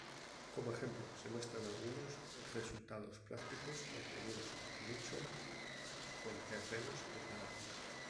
Como ejemplo se muestran algunos resultados prácticos obtenidos por Nichols con terrenos preparados.